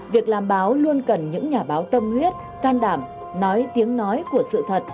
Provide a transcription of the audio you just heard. việc làm báo luôn cần những nhà báo tâm huyết can đảm nói tiếng nói của sự thật